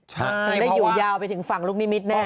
ถึงได้อยู่ยาวไปถึงฝั่งลูกนิมิตแน่